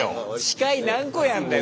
司会何個やんだよ。